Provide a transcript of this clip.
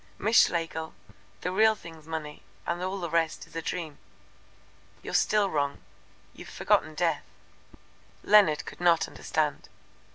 Miss Schlegel, the real thing's money and all the rest is a dream." "You're still wrong. You've forgotten Death." Leonard could not understand.